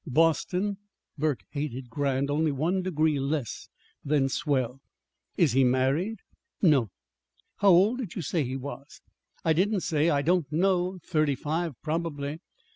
"Boston." Burke hated "grand" only one degree less than "swell." "Is he married?" "No." "How old did you say he was?" "I didn't say. I don't know. Thirty five, probably."